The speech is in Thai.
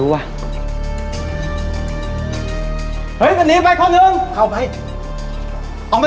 เข้าไปได้ไหม